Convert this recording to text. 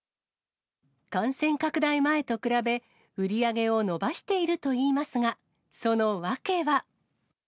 感染拡大前と比べ、売り上げを伸ばしているといいますが、その訳は。